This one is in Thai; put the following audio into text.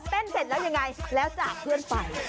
เต้นเสร็จแล้วยังไงแล้วจะเพื่อนไฟ